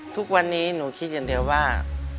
ทุกวันนี้หนูคิดอย่างเดียวว่า